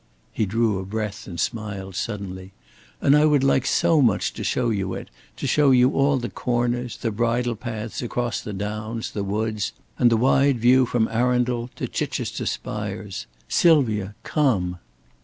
He drew a breath and smiled suddenly. "And I would like so much to show you it, to show you all the corners, the bridle paths across the downs, the woods, and the wide view from Arundel to Chichester spires. Sylvia, come!"